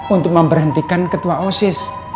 untuk memberhentikan ketua osis